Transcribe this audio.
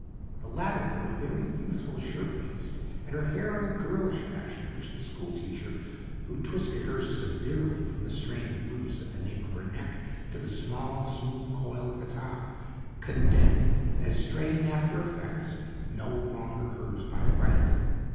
The latter wore a very youthful shirt waist, and her hair in a girlish fashion which the school teacher, who twisted hers severely from the straining roots at the nape of her neck to the small, smooth coil at the top, condemned as straining after effects no longer hers by right.